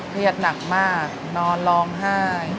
เรียกหนักมากนอนร้องไห้